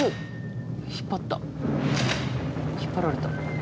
引っ張られた。